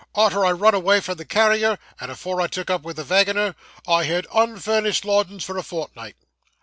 Arter I run away from the carrier, and afore I took up with the vaginer, I had unfurnished lodgin's for a fortnight.